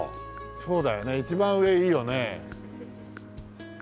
そうだよね一番上いいよね。